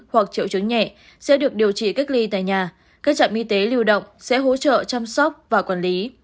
hoặc triệu chứng nhẹ sẽ được điều trị cách ly tại nhà các trạm y tế lưu động sẽ hỗ trợ chăm sóc và quản lý